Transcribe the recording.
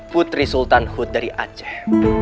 putri sultan hud dari aceh